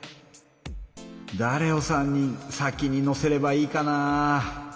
だれを３人先に乗せればいいかな？